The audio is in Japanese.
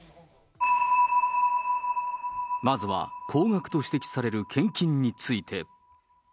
まずは高額と指摘される献金について。